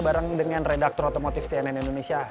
bareng dengan redaktor otomotif cnn indonesia